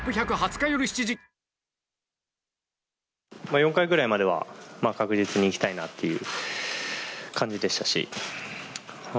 ４回ぐらいまでは確実にいきたいなという感じでしたし。